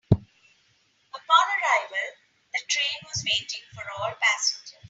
Upon arrival, the train was waiting for all passengers.